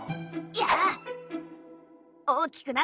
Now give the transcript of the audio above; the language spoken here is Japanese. やあ！